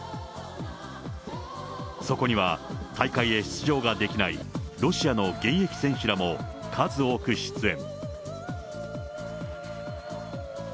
そこには、大会へ出場ができないロシアの現役選手らも数多く出演。